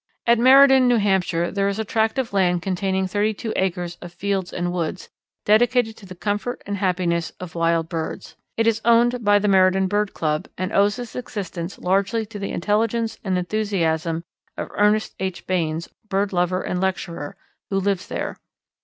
_ At Meriden, New Hampshire, there is a tract of land containing thirty two acres of fields and woods, dedicated to the comfort and happiness of wild birds. It is owned by the Meriden Bird Club, and owes its existence largely to the intelligence and enthusiasm of Ernest H. Baynes, bird lover and lecturer, who lives there.